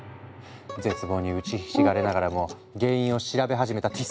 絶望に打ちひしがれながらも原因を調べ始めたティス。